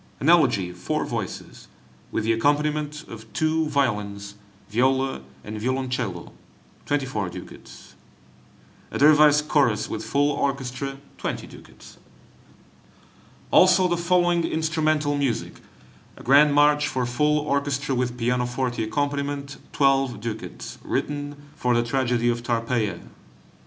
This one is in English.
An Elegy, four voices, with the accompaniment of two violins, viola, and violoncello, 24 ducats. A Dervise Chorus, with full orchestra, 20 ducats. Also the following instrumental music: a Grand March for full orchestra, with pianoforte accompaniment, 12 ducats, written for the tragedy of "Tarpeia."